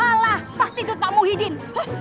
kalah pasti itu pak muhyiddin